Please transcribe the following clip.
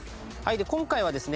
で今回はですね